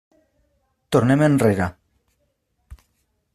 Tornem enrere.